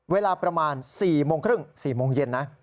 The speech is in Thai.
เวลาประมาณ๔โมงครึ่ง๔โมงเย็นนะ